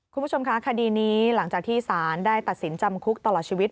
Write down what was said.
คุณผู้ชมคะคดีนี้หลังจากที่สารได้ตัดสินจำคุกตลอดชีวิต